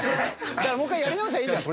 だからもう一回やり直せばいいじゃん。